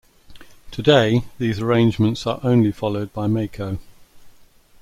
Today these arrangements are only followed by maiko.